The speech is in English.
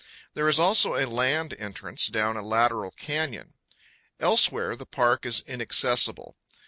There is also a land entrance down a lateral canyon. Elsewhere the park is inaccessible.